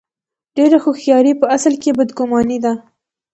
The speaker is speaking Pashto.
ډېره هوښیاري په اصل کې بد ګماني ده.